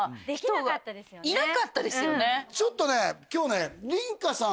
ちょっとね今日ね梨花さん